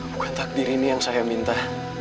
bukan takdir ini yang saya minta